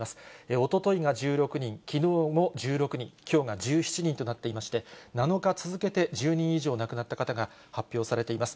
おとといが１６人、きのうも１６人、きょうが１７人となっていまして、７日続けて１０人以上、亡くなった方が発表されています。